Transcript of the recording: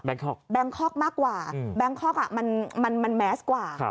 แกกคอกมากกว่าแบงคอกมันแมสกว่า